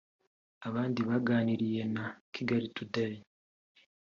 Abandi baganiriye na Kigali Today